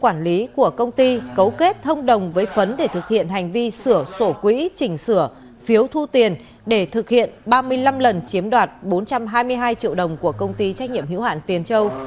cơ quan an ninh điều tra công an tỉnh thái bình đã khởi tố kết thông đồng với phấn để thực hiện hành vi sửa sổ quỹ chỉnh sửa phiếu thu tiền để thực hiện ba mươi năm lần chiếm đoạt bốn trăm hai mươi hai triệu đồng của công ty trách nhiệm hữu hạn tiền châu